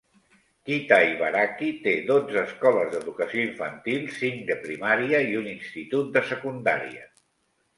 Kitaibaraki té dotze escoles d'educació infantil, cinc de primària i un institut de secundària.